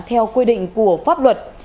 theo quy định của pháp luật